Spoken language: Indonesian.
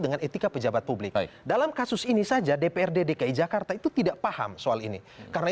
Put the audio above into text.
dengan etika pejabat publik dalam kasus ini saja dprd dki jakarta itu tidak paham soal ini karena